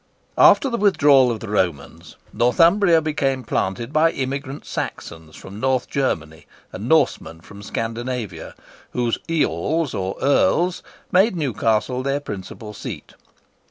[Picture: Map of Newcastle District] After the withdrawal of the Romans, Northumbria became planted by immigrant Saxons from North Germany and Norsemen from Scandinavia, whose Eorls or Earls made Newcastle their principal seat.